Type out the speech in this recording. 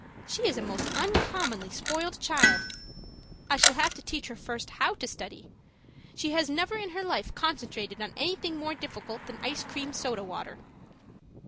She is a most uncommonly spoiled child; I shall have to teach her first how to study she has never in her life concentrated on anything more difficult than ice cream soda water.